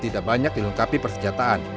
tidak banyak dilengkapi persenjataan